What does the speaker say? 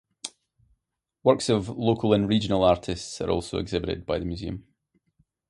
Works of local and regional artists are also exhibited by the museum.